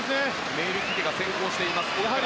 メイルティテが先行しています。